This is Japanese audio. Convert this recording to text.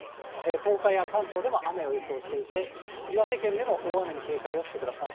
東海や関東でも雨を予想していて、岩手県でも大雨に警戒をしてください。